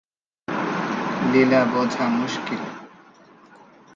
লীলা বোঝা মুশকিল।